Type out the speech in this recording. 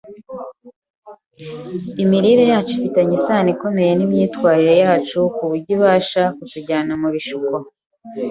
Imirire yacu ifitanye isano ikomeye n’imyitwarire yacu ku buryo ibasha kutujyana mu bishuko